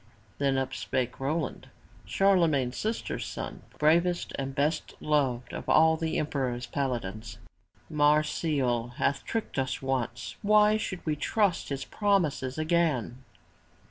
Then up spake Roland, Charlemagne's sister's son, bravest and best beloved of all the emperor's paladins: "Marsile hath tricked us once. Why should we trust his promises again?"